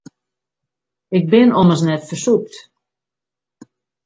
Ik bin ommers net fersûpt.